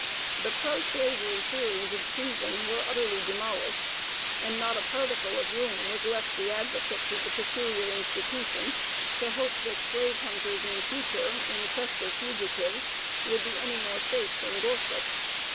The pro slavery theories of treason were utterly demolished, and not a particle of room was left the advocates of the peculiar institution to hope, that slave hunters in future, in quest of fugitives, would be any more safe than Gorsuch.